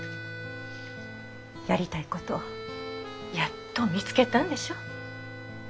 やりたいことやっと見つけたんでしょ？